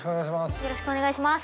よろしくお願いします。